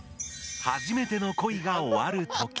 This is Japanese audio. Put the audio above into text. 「初めての恋が終わる時」。